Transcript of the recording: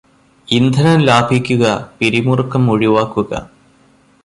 ഇന്ധനം ലാഭിക്കുക പിരിമുറക്കം ഒഴിവാക്കുക